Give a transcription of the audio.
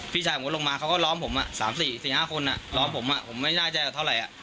พี่ชายผมก็ลงมาเขาก็ล้อมผมอ่ะ๓๔๕คนอ่ะล้อมผมอ่ะผมไม่แน่ใจว่าเท่าไหร่อ่ะ